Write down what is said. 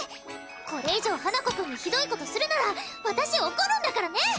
これ以上花子くんにひどいことするなら私怒るんだからね！